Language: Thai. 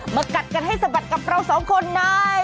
กัดกันให้สะบัดกับเราสองคนใน